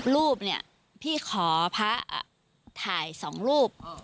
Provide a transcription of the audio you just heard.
รูปเนี่ยพี่ขอพระถ่าย๒รูป